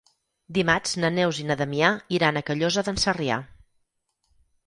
Dimarts na Neus i na Damià iran a Callosa d'en Sarrià.